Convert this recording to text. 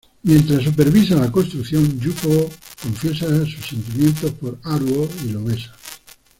Mientras supervisa la construcción, Yuko confiesa sus sentimientos por Haruo y lo besa.